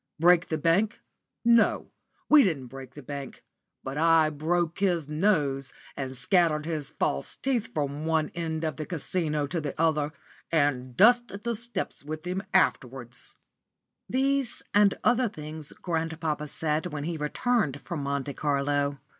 Break the bank? No, we didn't break the bank, but I broke his nose, and scattered his false teeth from one end of the Casino to the other, and dusted the steps with him afterwards!" These and other things grandpapa said when he returned from Monte Carlo.